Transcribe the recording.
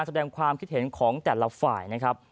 แสดงความคิดเห็นของแต่ละฝ่ายนะครับ